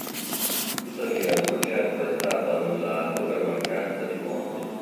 Tuttavia il progetto è stato annullato per mancanza di fondi.